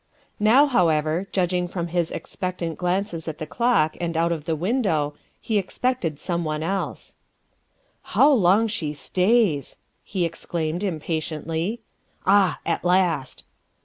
Now, however, judging from his expectant glances at the clock and out of the window, he expected someone else. " How long she stays!" he exclaimed impatiently. "Ah, at last!"